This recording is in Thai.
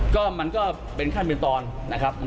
ก็มันก็เป็นขั้นเป็นตอนนะครับ